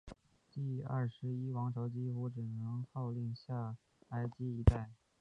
第二十一王朝几乎只能号令下埃及一带。